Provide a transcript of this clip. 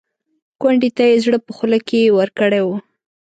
کونډې ته یې زړه په خوله کې ورکړی و.